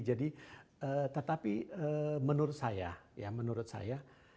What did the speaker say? jadi tetapi menurut saya ya menurut saya